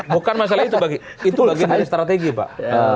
bukan masalah itu bagi itu bagian dari strategi pak